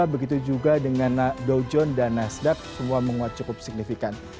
begitu juga dengan dow john dan nasdaq semua menguat cukup signifikan